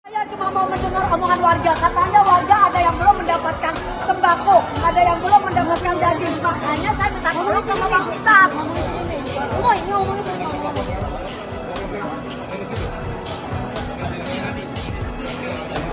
saya cuma mau mendengar omongan warga katanya warga ada yang belum mendapatkan sembako ada yang belum mendapatkan daging makanya saya minta tolong